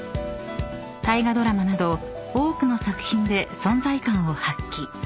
［大河ドラマなど多くの作品で存在感を発揮］